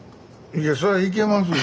いやそりゃいけますよ